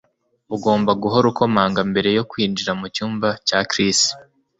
Ugomba guhora ukomanga mbere yo kwinjira mucyumba cya Chris